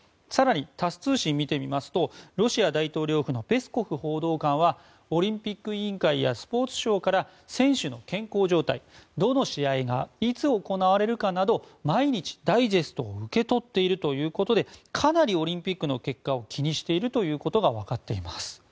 更に、タス通信を見てみますとロシア大統領府のペスコフ報道官はオリンピック委員会やスポーツ省から選手の健康状態、どの試合がいつ行われるかなど毎日、ダイジェストを受け取っているということでかなりオリンピックの結果を気にしているということが分かっています。